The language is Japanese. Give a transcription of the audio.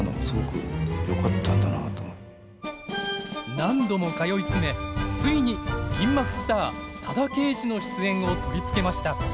何度も通い詰めついに銀幕スター佐田啓二の出演を取り付けました。